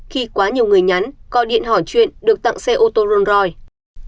khi quá nhiều người nhắn co điện hỏi chuyện được tặng xe ô tô rolls royce